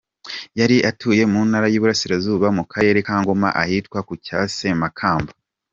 Yari atuye mu Ntara y’Uburasirazuba mu Karere ka Ngoma, ahitwa ku Cyasemakamba.